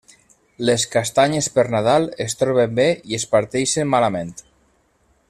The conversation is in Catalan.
Les castanyes per Nadal es troben bé i es parteixen malament.